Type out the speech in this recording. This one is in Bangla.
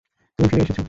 তুমি ফিরে এসেছ।